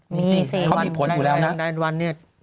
มี๔เซนเขามีผลอยู่แล้วนะแดนวันเนี่ย